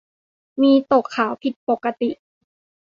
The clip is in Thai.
มีตกขาวผิดปกติ